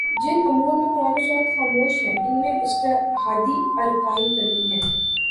جن امور میں قرآن و سنت خاموش ہیں ان میں اجتہادی آراقائم کرنی ہیں